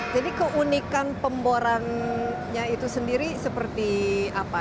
jadi keunikan pemborannya itu sendiri seperti apa